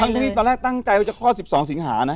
ที่นี่ตอนแรกตั้งใจว่าจะคลอด๑๒สิงหานะ